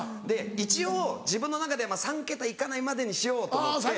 一応自分の中では３桁行かないまでにしようと思って。